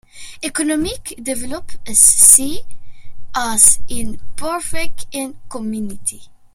Economic Development is seen as an important factor in the success of the community.